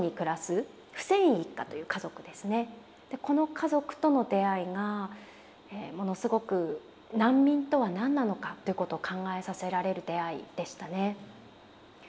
この家族との出会いがものすごく難民とは何なのかということを考えさせられる出会いでしたね。